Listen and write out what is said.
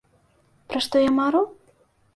Пра што я мару?